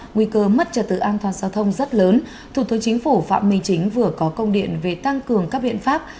nguy cơ mất trật tự an toàn giao thông rất lớn thủ tướng chính phủ phạm minh chính vừa có công điện về tăng cường các biện pháp